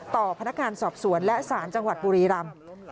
ต่อพนักงานสอบสวนและสารจังหวัดบุรีรำ